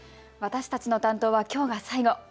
私たちの担当はきょうが最後。